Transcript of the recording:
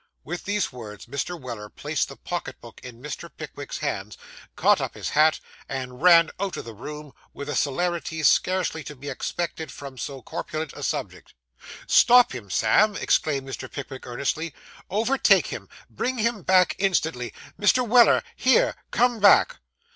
With these words, Mr. Weller placed the pocket book in Mr. Pickwick's hands, caught up his hat, and ran out of the room with a celerity scarcely to be expected from so corpulent a subject. 'Stop him, Sam!' exclaimed Mr. Pickwick earnestly. 'Overtake him; bring him back instantly! Mr. Weller here come back!